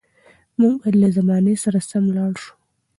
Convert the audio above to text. موږ باید له زمانې سره سم لاړ شو.